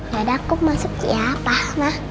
ya udah aku masuk ya papa